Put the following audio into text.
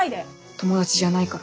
友達じゃないから。